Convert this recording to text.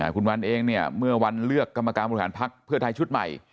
คุณวันเองเนี่ยเมื่อวันเลือกกรรมการบริหารพักเพื่อไทยชุดใหม่